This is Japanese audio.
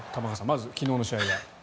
まず昨日の試合は。